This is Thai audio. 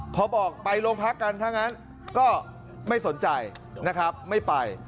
พอบอกไปโรงพักกันถ้างั้นก็ไม่สนใจนะครับไม่ไป